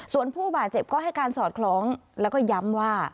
ส่วนผู้บาดเจ็บก็ให้การสอดคล้องแล้วก็ย้ำว่า